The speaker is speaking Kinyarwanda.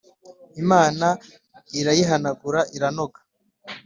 imana irayihanagura iranoga